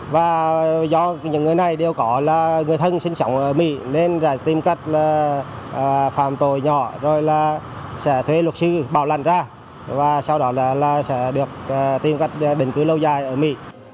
và do những người này đều có là người thân sinh sống ở mỹ nên là tìm cách là phạm tội nhỏ rồi là sẽ thuê luật sư bảo lần ra và sau đó là sẽ được tìm cách để đình cứ lâu dài ở mỹ